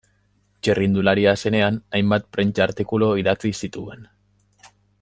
Txirrindularia zenean, hainbat prentsa-artikulu idatzi zituen.